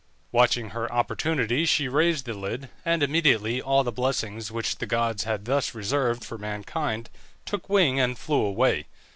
Watching her opportunity she raised the lid, and immediately all the blessings which the gods had thus reserved for mankind took wing and flew away.